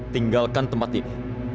tinggalkan tempat ini